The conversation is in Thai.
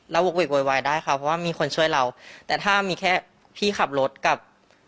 โวกเวกโวยวายได้ค่ะเพราะว่ามีคนช่วยเราแต่ถ้ามีแค่พี่ขับรถกับ